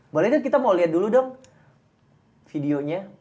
boleh kita mau liat dulu dong videonya